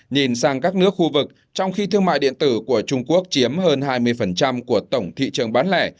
nhìn sang các nước khu vực trong khi thương mại điện tử của trung quốc chiếm hơn hai mươi của tổng thị trường bán lẻ